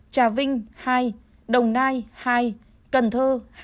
trà vinh hai